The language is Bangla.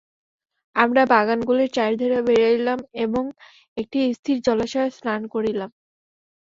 আমরা বাগানগুলির চারিধারে বেড়াইলাম এবং একটি স্থির জলাশয়ে স্নান করিলাম।